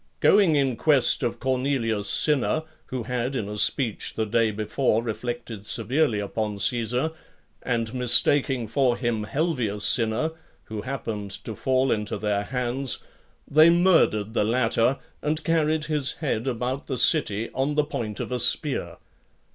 Going in quest of Cornelius Cinna, who had in a speech, the day before, reflected severely upon Caesar, and mistaking for him Helvius Cinna, who happened to fall into their hands, they murdered the latter, and carried his head about the city on the point of a spear.